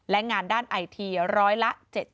และงานด้านไอทีร้อยละ๗๐